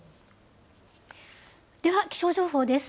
では気象情報です。